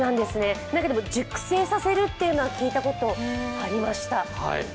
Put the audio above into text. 熟成させるというのは聞いたことありました。